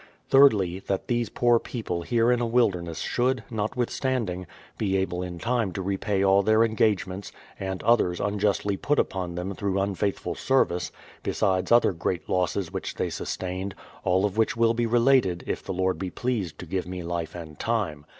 Thirdly, that these poor people here in a wilderness should, notwithstanding, be able in time to repay all their 204 BRADFORD'S HISTORY OF engagements, and others unjustly put upon them through unfaithful service, besides other great losses which they sustained, all of which will be related if the Lord be pleased to give me life and time.